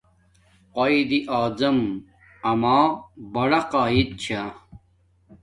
قایداعظم اما برا قاید چھا